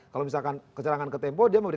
kalau misalkan keterangan ke tempo dia mau